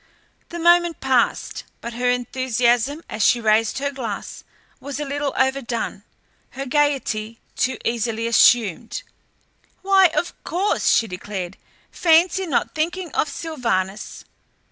The moment passed, but her enthusiasm, as she raised her glass, was a little overdone, her gaiety too easily assumed. "Why, of course!" she declared. "Fancy not thinking of Sylvanus!"